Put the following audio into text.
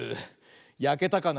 やけたかな。